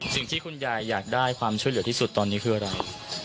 สิ่งที่คุณยายอยากได้ความช่วยเหลือที่สุดตอนนี้คืออะไร